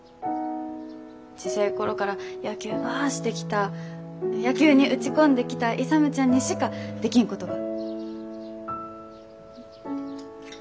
小せえ頃から野球ばあしてきた野球に打ち込んできた勇ちゃんにしかできんことが。